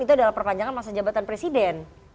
itu adalah perpanjangan masa jabatan presiden